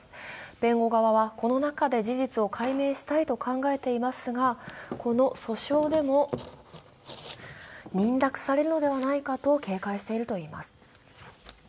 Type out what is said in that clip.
弁護側はこの中で事実を解明したいと考えていますがこの訴訟でも認諾されるのではないかと警戒しているといいます。